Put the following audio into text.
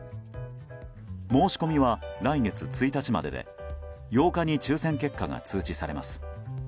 申し込みは来月１日までで８日に抽選結果が通知されます。